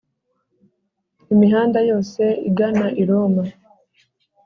imihanda yose igana i roma